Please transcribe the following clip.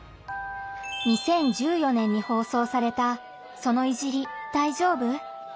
２０１４年に放送された「その“いじり”、大丈夫？」。